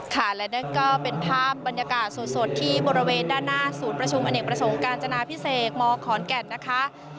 ค่ะและนั่นก็เป็นภาพบรรยากาศสดที่บริเวณด้านหน้าศูนย์ประชุมอเนกประสงค์การจนาพิเศษมขอนแก่นนะคะ